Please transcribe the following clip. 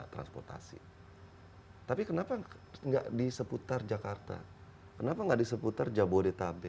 transportasi tapi kenapa enggak di seputar jakarta kenapa nggak di seputar jabodetabek